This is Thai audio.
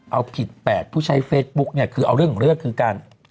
เอาผิด๘ผู้ใช้เฟซบุ๊กเนี่ยคือเอาเรื่องของเรื่องคือการ